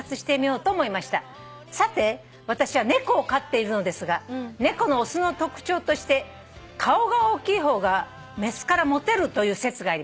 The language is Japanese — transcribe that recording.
「さて私は猫を飼っているのですが猫の雄の特徴として顔が大きい方が雌からモテるという説があります」